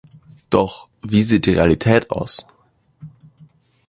Doch wie sieht die Realität aus?